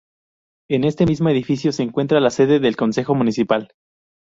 En este mismo edificio se encuentra la sede del Concejo Municipal.